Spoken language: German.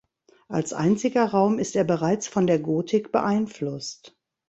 Als einziger Raum ist er bereits von der Gotik beeinflusst.